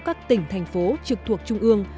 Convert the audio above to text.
các tỉnh thành phố trực thuộc trung ương